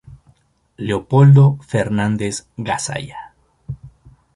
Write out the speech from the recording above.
Leopoldo Fernández Gasalla.